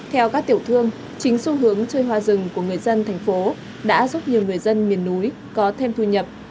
theo các tiểu thương chính xu hướng chơi hoa rừng của người dân thành phố đã giúp nhiều người dân miền núi có thêm thu nhập